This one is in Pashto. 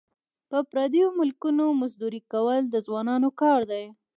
په پردیو ملکونو مزدوري کول د ځوانانو کار دی.